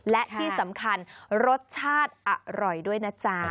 และที่สำคัญรสชาติอร่อยด้วยนะจ๊ะ